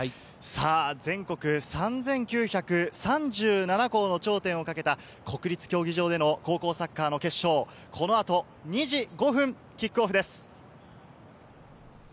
全国３９３７校の頂点をかけた国立競技場での高校サッカーの決勝、この後２時５分キックオフです。